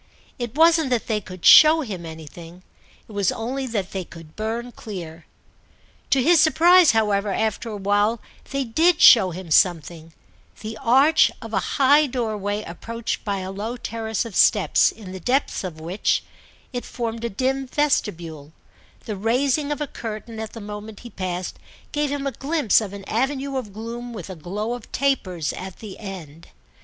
It wasn't that they could show him anything, it was only that they could burn clear. To his surprise, however, after a while, they did show him something: the arch of a high doorway approached by a low terrace of steps, in the depth of which—it formed a dim vestibule—the raising of a curtain at the moment he passed gave him a glimpse of an avenue of gloom with a glow of tapers at the end.